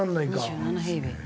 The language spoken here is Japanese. ２７平米。